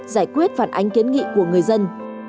giải quyết vàn ánh kiến nghị của người dân